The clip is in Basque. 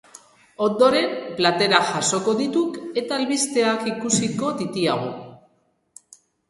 Ondoren, platerak jasoko dituk eta albisteak ikusiko ditiagu.